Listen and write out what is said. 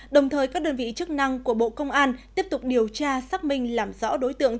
đồng thời các đơn vị chức năng của bộ công an tiếp tục điều tra xác minh làm rõ đối tượng